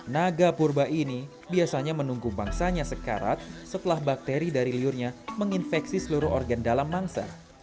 naga purba ini biasanya menunggu mangsanya sekarat setelah bakteri dari liurnya menginfeksi seluruh organ dalam mangsa